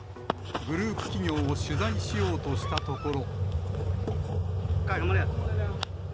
グループ企業を取材しようとしたところ。